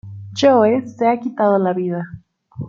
Joe se ha quitado la vida.